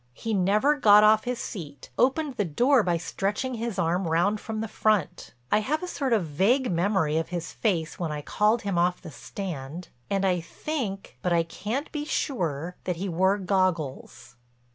He never got off his seat, opened the door by stretching his arm round from the front. I have a sort of vague memory of his face when I called him off the stand, and I think—but I can't be sure—that he wore goggles."